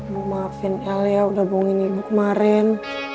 bu maafin el ya udah bohongin ibu kemarin